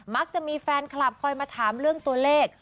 มักจะมีแฟนคลับคอยมาถามเรื่องตัวเลข